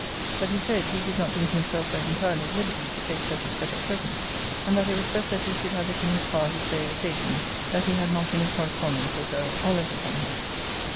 But he said, he did not think himself entirely at liberty to take such a step at present; and that it was best that he should have it in his power to say, occasionally, that he had not any correspondence with her, or letter from her.